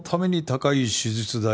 高い手術代？